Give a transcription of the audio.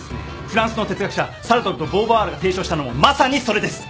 フランスの哲学者サルトルとボーヴォワールが提唱したものもまさにそれです。